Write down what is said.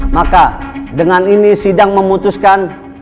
maka dengan ini sidang memutuskan